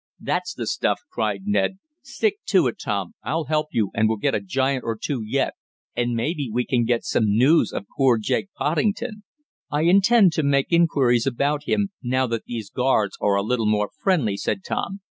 "That's the stuff!" cried Ned. "Stick to it, Tom. I'll help you, and we'll get a giant or two yet. And maybe we can get some news of poor Jake Poddington." "I intend to make inquiries about him, now that these guards are a little more friendly," said Tom.